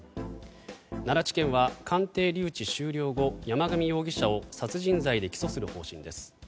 奈良地検は鑑定留置終了後山上容疑者を殺人罪で起訴する方針です。